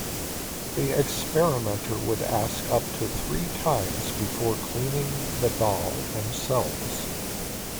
The experimenter would ask up to three times before cleaning the doll themselves.